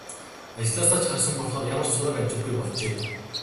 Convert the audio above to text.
Ажлаасаа ч гарсан болохоор ямар ч сураг ажиггүй болжээ.